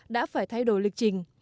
đã phải thay đổi lịch trình